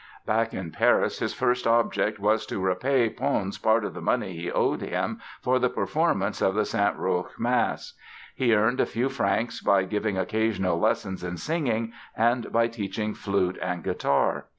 Back in Paris his first object was to repay Pons part of the money he owed him for the performance of the Saint Roch mass. He earned a few francs by giving occasional lessons in singing and by teaching flute and guitar.